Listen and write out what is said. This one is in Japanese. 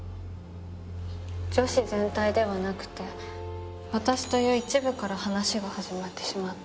女子全体ではなくて私という一部から話が始まってしまっている。